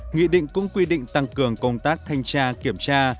nghị định cũng quy định tăng cường công tác thanh tra kiểm tra